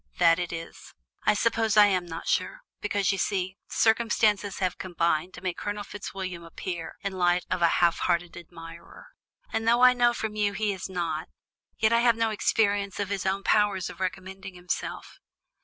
"That it is; I suppose I am not sure; because, you see, circumstances have combined to make Colonel Fitzwilliam appear in light of a half hearted admirer, and though I know from you he is not, yet I have no experience of his own powers of recommending himself.